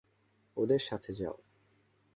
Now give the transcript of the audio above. ওদের সাথে যাও।